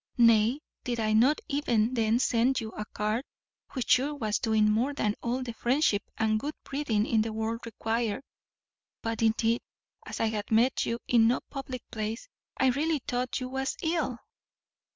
Nay, did I not even then send you a card, which sure was doing more than all the friendship and good breeding in the world required; but, indeed, as I had met you in no public place, I really thought you was ill."